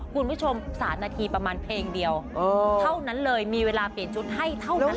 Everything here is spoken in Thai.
คุณผู้ชม๓นาทีประมาณเพลงเดียวเท่านั้นเลยมีเวลาเปลี่ยนชุดให้เท่านั้น